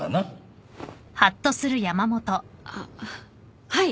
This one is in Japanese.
あっはい。